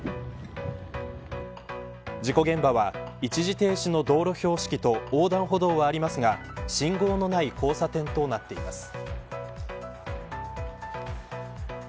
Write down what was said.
事故現場は一時停止の道路標識と横断歩道はありますが信号のない交差点となっています。